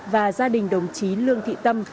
và gia đình đồng chí lương thị tâm